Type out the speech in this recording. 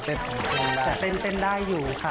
แต่เต้นได้อยู่ค่ะ